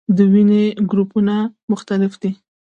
د وینې ګروپونه مختلف دي